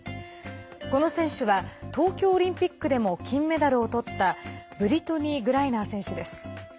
この選手は東京オリンピックでも金メダルをとったブリトニー・グライナー選手です。